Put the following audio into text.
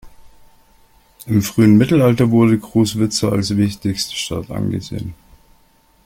Im frühen Mittelalter wurde Kruszwica als wichtigste Stadt angesehen.